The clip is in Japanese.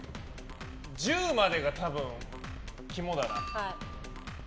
１０までが多分、肝だな。